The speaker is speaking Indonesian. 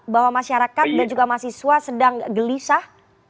bahwa masyarakat dan juga mahasiswa sedang gelisah